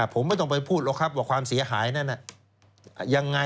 ผมไม่ต้องไปพูดหรอกครับว่าความเสียหายนั้นยังไง